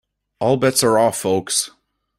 All bets are off folks.